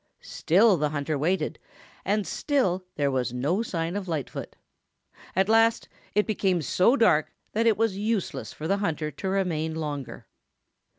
Still the hunter waited, and still there was no sign of Lightfoot. At last it became so dark that it was useless for the hunter to remain longer.